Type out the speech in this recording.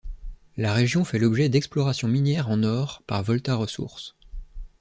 La région fait l'objet d'exploration minière en or par Volta Resources.